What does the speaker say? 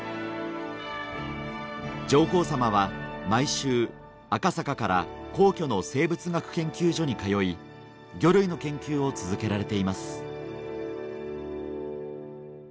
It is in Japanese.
上皇さまは毎週赤坂から皇居の生物学研究所に通い魚類の研究を続けられています